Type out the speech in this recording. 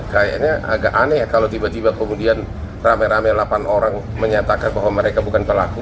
kayaknya agak aneh ya kalau tiba tiba kemudian rame rame delapan orang menyatakan bahwa mereka bukan pelaku